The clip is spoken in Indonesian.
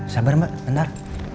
sabar mbak bentar